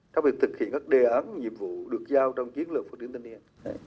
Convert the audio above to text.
trong việc thực hiện các đề án nhiệm vụ được giao trong chiến lược phổ trướng thanh niên